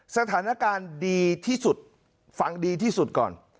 สถานการณ์ดีที่สุดฟังดีที่สุดก่อน